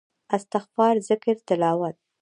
استغفار ذکر تلاوت